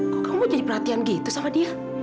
kok kamu jadi perhatian gitu sama dia